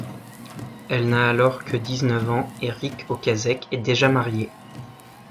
Elle n'a alors que dix-neuf ans et Ric Ocasek est déjà marié.